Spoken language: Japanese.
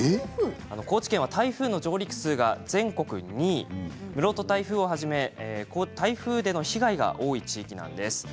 高知県は台風の上陸数が全国に室戸台風をはじめ台風での被害が多い地域なんです。